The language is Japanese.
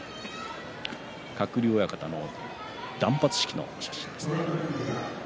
鶴竜親方の断髪式の写真ですね。